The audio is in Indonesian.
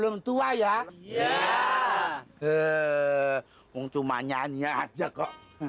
udah tua gaduy buju